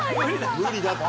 無理だって。